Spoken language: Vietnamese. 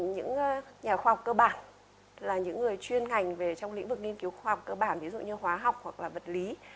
những nhà khoa học cơ bản là những người chuyên ngành về trong lĩnh vực nghiên cứu khoa học cơ bản ví dụ như hóa học hoặc là vật lý